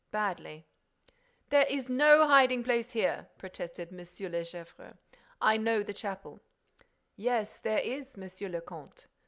"Badly." "There is no hiding place here," protested M. de Gesvres. "I know the chapel." "Yes, there is, Monsieur le Comte.